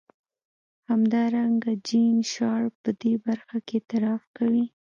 همدارنګه جین شارپ په دې برخه کې اعتراف کوي.